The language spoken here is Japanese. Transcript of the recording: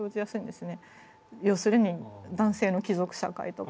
要するに男性の貴族社会とか。